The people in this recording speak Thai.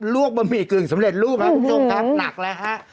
บะหมี่กึ่งสำเร็จรูปครับคุณผู้ชมครับหนักแล้วฮะ